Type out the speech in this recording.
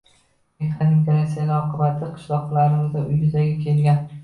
mehnat migratsiyasi oqibatida qishloqlarimizda yuzaga kelgan